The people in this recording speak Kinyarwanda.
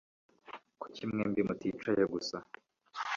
Kuki mwembi muticaye gusa